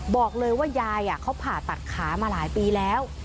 บอกเลยว่ายายเขาผ่าตัดขามาหลายปีแล้ว